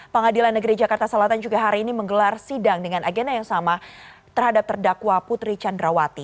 pengadilan negeri jakarta selatan juga hari ini menggelar sidang dengan agenda yang sama terhadap terdakwa putri candrawati